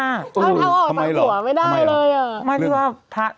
เอ้าออกใส่หัวไม่ได้เลยอะ